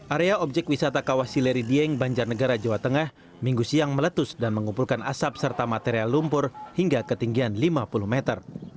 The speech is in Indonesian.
area objek wisata kawah sileri dieng banjarnegara jawa tengah minggu siang meletus dan mengumpulkan asap serta material lumpur hingga ketinggian lima puluh meter